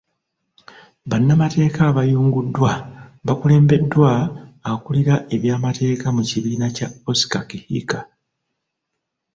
Bannamateeka abayunguddwa bakulembeddwa akulira ebyamateeka mu kibiina kya Oscar Kihika.